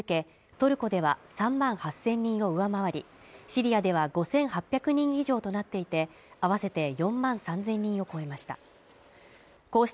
トルコでは３万８０００人を上回りシリアでは５８００人以上となっていて合わせて４万３０００人を超えました